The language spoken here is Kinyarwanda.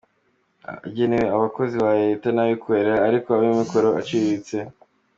Agenewe abakozi ba leta n’abikorera ariko b’amikoro aciriritse.